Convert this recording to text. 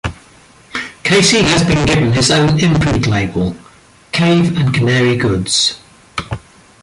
Casey has been given his own imprint label: Cave and Canary Goods.